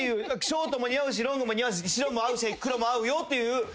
ショートも似合うしロングも似合うし白も合うし黒も合うよ。